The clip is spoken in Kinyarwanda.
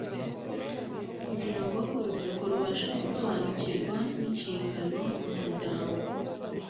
kugirango urubyiruko rubashe gusobanukirwa n inshingano umuryango